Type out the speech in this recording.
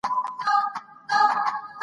هغه کتاب چې ما لوستی و ډېر ګټور و.